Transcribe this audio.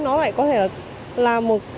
nó lại có thể là